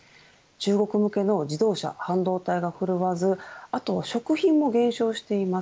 中国向けの自動車、半導体がふるわずあとは食品も減少しています。